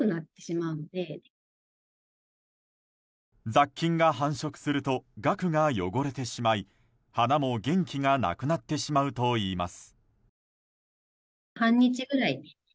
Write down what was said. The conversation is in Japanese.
雑菌が繁殖するとがくが汚れてしまい花も元気がなくなってしまうといいます。